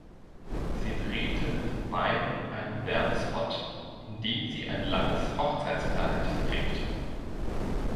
Sie drehte mit den beiden einen Werbespot, in dem sie ein langes Hochzeitskleid trägt.